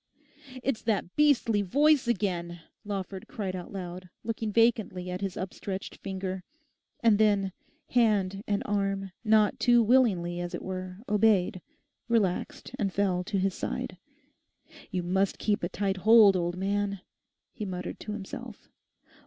'It's that beastly voice again,' Lawford cried out loud, looking vacantly at his upstretched finger. And then, hand and arm, not too willingly, as it were, obeyed; relaxed and fell to his side. 'You must keep a tight hold, old man,' he muttered to himself.